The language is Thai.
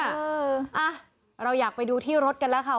เอ้อเออเราอยากไปดูที่รถกันนะคะ